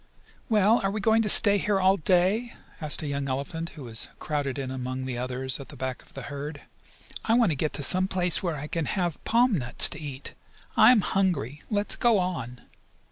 "Well, are we going to stay here all day?" asked a young elephant, who was crowded in among the others at the back of the herd. "I want to get to some place where I can have palm nuts to eat. I am hungry. Let's go on!"